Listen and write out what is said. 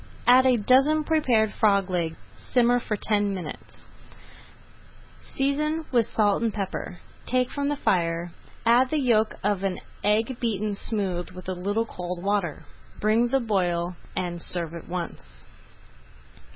Add a dozen prepared frog legs simmer for ten minutes, season with salt and pepper, take from the fire, add the yolk of an egg beaten smooth with a little cold water; bring to the boil and serve at once.